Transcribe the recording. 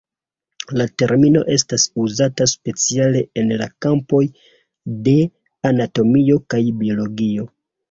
La termino estas uzata speciale en la kampoj de anatomio kaj biologio.